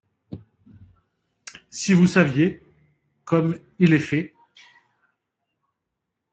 Si vous saviez comme il est fait !